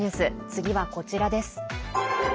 次はこちらです。